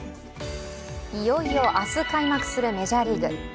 いよいよ明日開幕するメジャーリーグ。